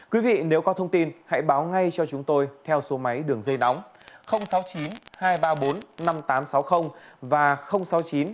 quý vị nếu có thông tin hãy báo ngay cho chúng tôi theo số máy đường dây nóng